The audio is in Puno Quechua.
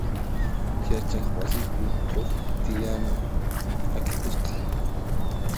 Yachay wasipi huk tiyana p'akikusqa.